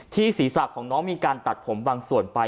ศีรษะของน้องมีการตัดผมบางส่วนไป